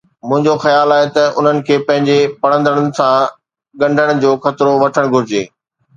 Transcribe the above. منهنجو خيال آهي ته انهن کي پنهنجي پڙهندڙن سان ڳنڍڻ جو خطرو وٺڻ گهرجي.